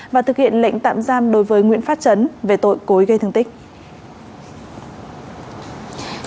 và thực hiện lệnh tạm giam đối với nguyễn phát chấn về tội cối gây thương tích